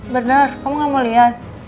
bener kamu gak mau liat